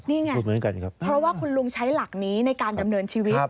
นี่ไงครับเพราะว่าคุณลุงใช้หลักนี้ในการดำเนินชีวิต